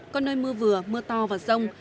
có nơi mưa vừa mưa to và rông